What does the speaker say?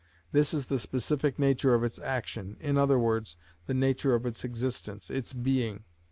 This is the specific nature of its action, i.e., the nature of its existence, its being.